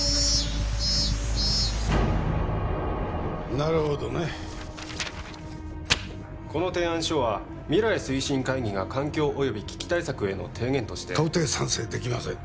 なるほどねこの提案書は未来推進会議が環境および危機対策への提言として到底賛成できません